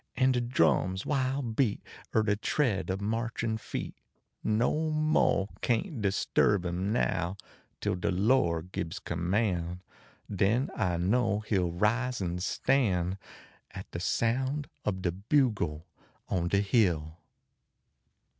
En de drum s wild heat er de tread ob marchin feet No mo kain t disturb im now until De Lord gibs command, den I know he ll rise en stand At de sound ob de bugle on de hill.